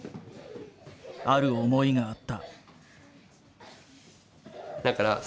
ある思いがあった。